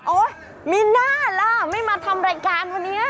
โอ๊ยมีหน้าล่ะไม่มาทำรายการพอนี้